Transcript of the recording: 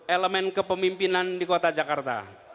elemen kepemimpinan di kota jakarta